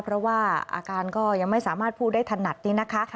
เพราะว่าอาการก็ยังไม่สามารถพูดได้ถนัดนี้นะคะ